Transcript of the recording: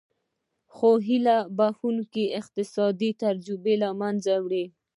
خو هیله بښوونکې اقتصادي تجربې له منځه لاړې.